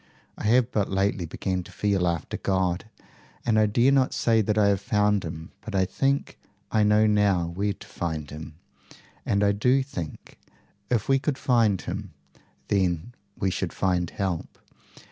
I have but lately begun to feel after God, and I dare not say that I have found him, but I think I know now where to find him. And I do think, if we could find him, then we should find help.